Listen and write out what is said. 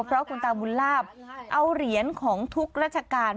เพราะคุณตาบุญลาบเอาเหรียญของทุกราชการ